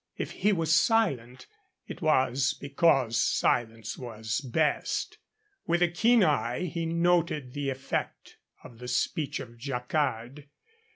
If he was silent, it was because silence was best. With a keen eye he noted the effect of the speech of Jacquard.